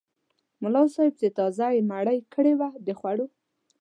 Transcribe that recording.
ملا صاحب چې تازه یې مړۍ کړې وه د خوړو.